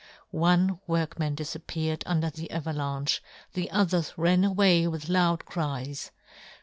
One workman difappeared under the avalanche, the others ran away with loud cries.